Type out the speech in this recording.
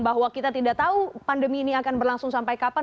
bahwa kita tidak tahu pandemi ini akan berlangsung sampai kapan